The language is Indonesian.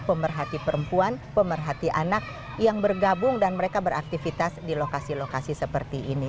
pemerhati perempuan pemerhati anak yang bergabung dan mereka beraktivitas di lokasi lokasi seperti ini